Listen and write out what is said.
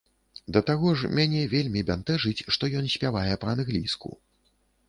Да таго ж, мяне вельмі бянтэжыць, што ён спявае па-англійску.